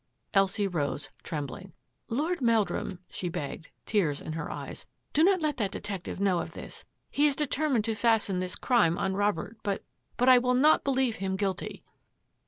Elsie rose, trembling. "Lord Meldrum,'* she begged, tears in her eyes, " do not let that detec tive know of this. He is determined to fasten this crime on Robert, but — but I will not believe him guilty!"